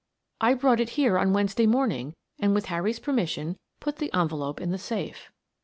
I brought it here on Wednesday morning and with Harry's permission put the envelope in the safe."